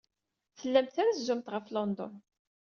Tellamt trezzumt ɣef London.